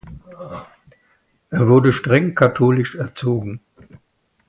Er wurde streng katholisch erzogen.